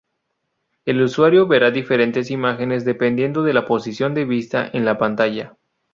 El usuario verá diferentes imágenes dependiendo de la posición de vista en la pantalla.